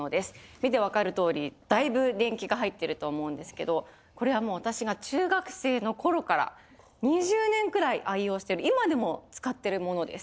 見てわかる通りだいぶ年季が入ってると思うんですけどこれはもう私が中学生の頃から２０年くらい愛用してる今でも使ってるものです。